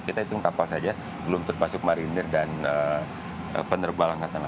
kita hitung kapal saja belum termasuk marinir dan penerbal angkatan laut